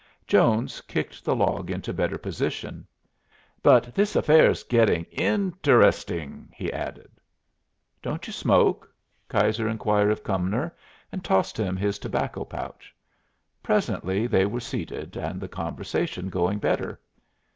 Jones kicked the log into better position. "But this affair's gettin' inter esting," he added. "Don't you smoke?" Keyser inquired of Cumnor, and tossed him his tobacco pouch. Presently they were seated, and the conversation going better.